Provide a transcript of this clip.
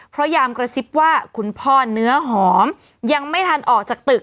พยายามกระซิบว่าคุณพ่อเนื้อหอมยังไม่ทันออกจากตึก